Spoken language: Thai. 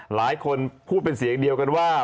หลายคนพูดเป็นเสียงเดียวกันว่า